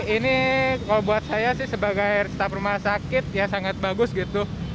ini kalau buat saya sih sebagai staf rumah sakit ya sangat bagus gitu